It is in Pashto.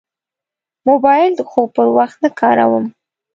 موبایل د خوب پر وخت نه کاروم.